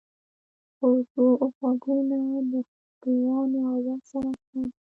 غوږونه د خپلوانو آواز سره اشنا دي